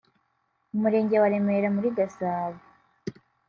Umurenge wa Remera muri Gasabo